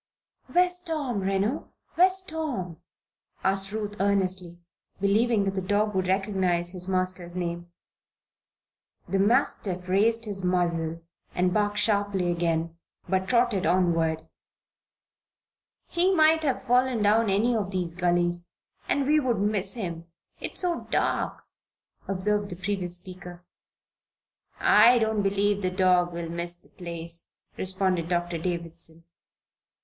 "Where's Tom, Reno? Where's Tom?" asked Ruth, earnestly, believing that the dog would recognize his master's name. The mastiff raised his muzzle and barked sharply again, but trotted onward. "He might have fallen down any of these gullies, and we'd miss him, it's so dark," observed the previous speaker. "I don't believe the dog will miss the place," responded Doctor Davison.